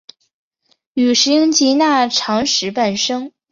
与石英及钠长石伴生。